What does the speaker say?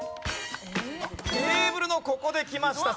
ケーブルのここできました。